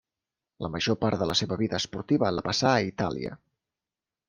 La major part de la seva vida esportiva la passà a Itàlia.